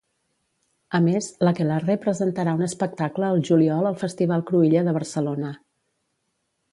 A més, l'Aquelarre presentarà un espectacle al juliol al Festival Cruïlla de Barcelona.